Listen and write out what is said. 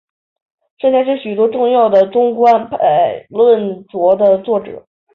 圣天是许多重要的中观派论着的作者。